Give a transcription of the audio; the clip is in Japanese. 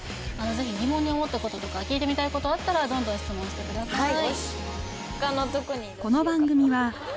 ぜひ疑問に思ったこととか聞いてみたいことあったらどんどん質問してください